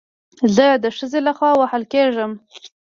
زه د ښځې له خوا وهل کېږم